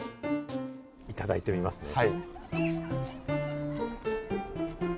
いただいてみますね。